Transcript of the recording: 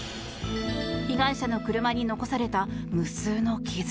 被害者の車に残された無数の傷。